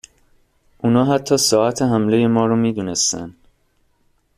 اونا حتی ساعت حملهی ما رو میدونستن